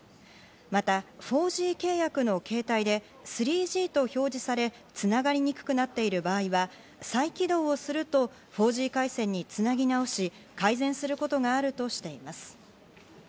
また４Ｇ契約の携帯で３Ｇと表示され、つながりにくくなっている場合は再起動すると、４Ｇ回線に繋ぎ直し、改善することがあるとしています。